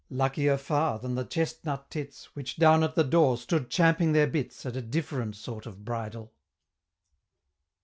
Luckier far than the chestnut tits, Which, down at the door, stood champing their bits, At a different sort of bridle.